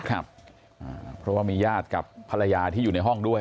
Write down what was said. เพราะว่ามีญาติกับภรรยาที่อยู่ในห้องด้วย